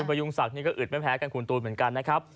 พยุงศักดิ์ก็อึดไม่แพ้กันคุณตูนเหมือนกันนะครับ